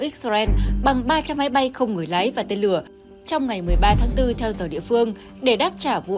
israel bằng ba trăm linh máy bay không người lái và tên lửa trong ngày một mươi ba tháng bốn theo giờ địa phương để đáp trả vụ